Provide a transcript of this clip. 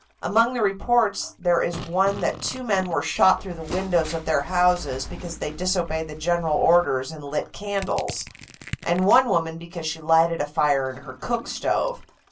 Among the reports there is one that two men were shot through the windows of their houses because they disobeyed the general orders and lit candles, and one woman because she lighted a fire in her cook stove.